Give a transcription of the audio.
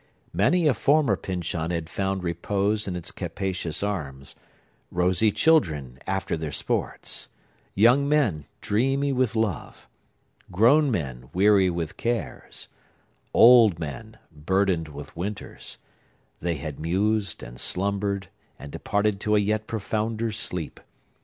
Many a former Pyncheon had found repose in its capacious arms: rosy children, after their sports; young men, dreamy with love; grown men, weary with cares; old men, burdened with winters,—they had mused, and slumbered, and departed to a yet profounder sleep.